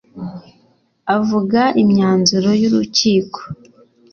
Avuga imyanzuro y’urukiko